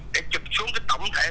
để chụp xuống cái tổng thể